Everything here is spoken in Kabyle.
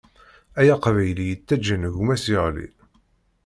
Ay Aqbayli yettaǧǧan gma-s yeɣli.